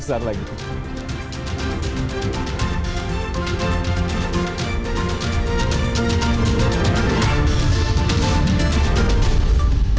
sekarang kembali saya lagi